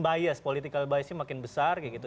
bias political biasnya makin besar kayak gitu